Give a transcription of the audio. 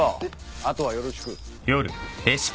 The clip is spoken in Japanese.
あとはよろしく。